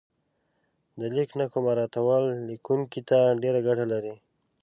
د لیک نښو مراعاتول لیکونکي ته ډېره ګټه لري.